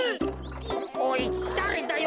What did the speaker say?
おいだれだよ？